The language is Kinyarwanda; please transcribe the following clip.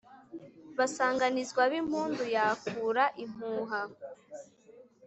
Basanganizwa b’impundu. Yakura impuha